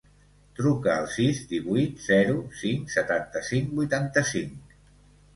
Truca al sis, divuit, zero, cinc, setanta-cinc, vuitanta-cinc.